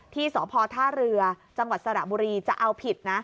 ที่สพท่าเรือจังหวัดสระบุรีจะเอาผิดนะ